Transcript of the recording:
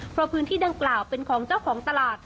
เพราะพื้นที่ดังกล่าวเป็นของเจ้าของตลาด